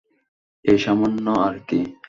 এই সামান্য আর কী।